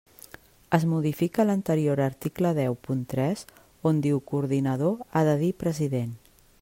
Es modifica l'anterior article deu punt tres: on diu coordinador ha de dir president.